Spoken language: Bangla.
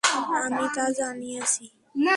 আমি তা জানিয়েছি।